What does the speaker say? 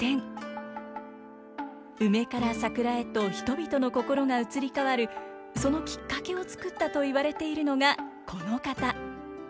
梅から桜へと人々の心が移り変わるそのきっかけを作ったといわれているのがこの方。